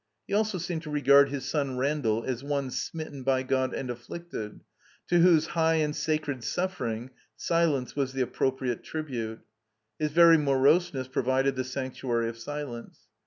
He also seemed to regard his son Randall as one smitten by God tod afflicted, to whose high and sacred suffering silence was the appropriate tribute. His very moroseness provided the sanctuary of silence.